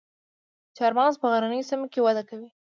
چهارمغز په غرنیو سیمو کې وده کوي